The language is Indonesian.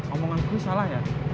omongan gue salah ya